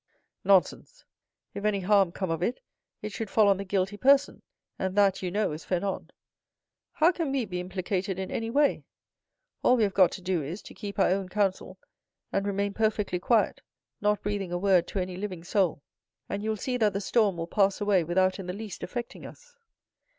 "Nonsense! If any harm come of it, it should fall on the guilty person; and that, you know, is Fernand. How can we be implicated in any way? All we have got to do is, to keep our own counsel, and remain perfectly quiet, not breathing a word to any living soul; and you will see that the storm will pass away without in the least affecting us."